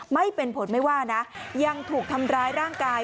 ไม่เป็นผลไม่ว่านะยังถูกทำร้ายร่างกาย